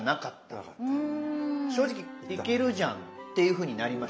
正直いけるじゃんっていうふうになりました。